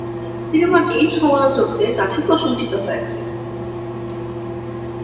সিনেমাটি সমালোচকদের কাছে প্রশংসিত হয়েছে।